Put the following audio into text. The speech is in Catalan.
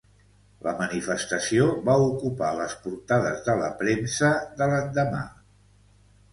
La manifestació va ocupar les portades de la premsa de l'endemà.